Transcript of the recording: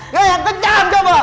yang kencang coba